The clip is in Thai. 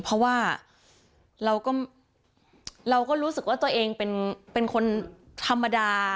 เพราะว่าเราก็รู้สึกว่าตัวเองเป็นคนธรรมดา